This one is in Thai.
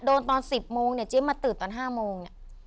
โดนตอน๑๐โมงเจ๊มาตื่นตอน๕โมง